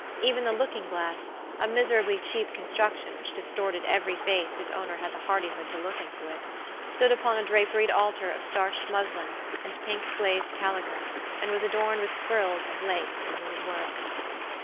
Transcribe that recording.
Even the looking glass, a miserably cheap construction which distorted every face whose owner had the hardihood to look into it, stood upon a draperied altar of starched muslin and pink glazed calico, and was adorned with frills of lace and knitted work.